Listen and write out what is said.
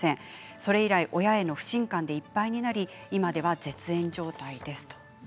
それ以来、親への不信感いっぱいになり今では絶縁状態です。